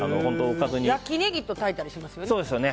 焼きネギと炊いたりしますよね。